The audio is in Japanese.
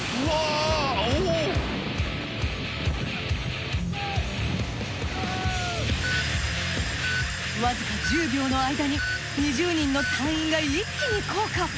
わずか１０秒の間に２０人の隊員が一気に降下。